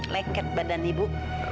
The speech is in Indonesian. leket badan ibu